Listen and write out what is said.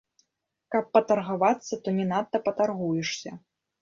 Каб патаргавацца, то не надта патаргуешся.